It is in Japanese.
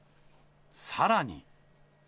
さらに。